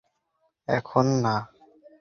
না, এখন।